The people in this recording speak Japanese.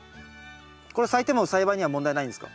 これ咲いても栽培には問題ないんですか？